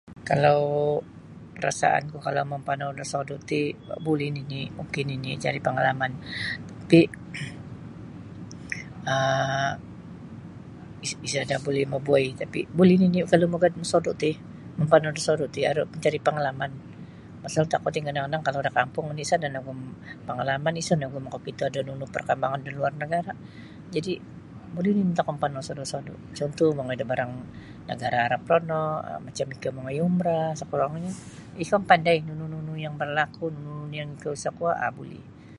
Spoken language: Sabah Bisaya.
Kalau perasaanku kalau mampanau do sodu ti buli nini ok nini cari pangalaman tapi um isa da buli mabuwai tapi buli nini kalau mugad mosodu ti mampanau do sodu ti aru mancari pangalaman pasal tokou ti kadang-kadang kalau da kampung oni sada nogu pangalaman sa nogu makakito da perkembangan da luar nagara jadi buli nini tokou mampanau sodu-sodu cuntuh mongoi da barang nagara Arab rono macam mongoi da umrah sakurang-kurangnyo ikou mapandai nunu-nunu yang berlaku macam nunu- nunu yang ikou sa kuo buli.